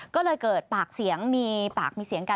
ก็เลยเกิดปากเสียงมีปากมีเสียงกัน